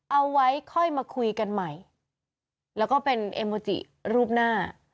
เอาไว้ค่อยมาคุยกันใหม่แล้วก็เป็นเอโมจิรูปหน้า